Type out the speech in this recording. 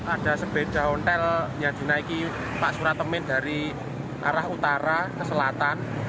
ada sepeda hotel yang dinaiki pak suratemin dari arah utara ke selatan